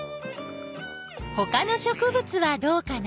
ほかの植物はどうかな？